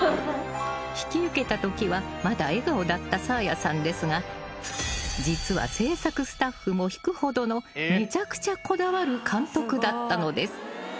［引き受けたときはまだ笑顔だったサーヤさんですが実は制作スタッフも引くほどのめちゃくちゃこだわる監督だったのです］